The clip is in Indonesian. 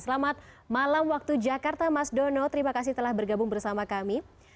selamat malam waktu jakarta mas dono terima kasih telah bergabung bersama kami